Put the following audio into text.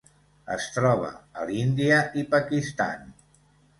Es troba a l'Índia i Pakistan.